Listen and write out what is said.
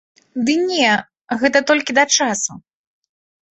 Ды не, гэта толькі да часу.